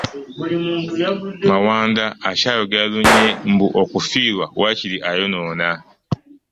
Mawanda akyogera lunye mbu okufiirwa waakiri ayonoona.